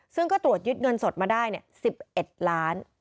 ซึ่งก็ตรวจยึดเงินสดมาได้๑๑ล้าน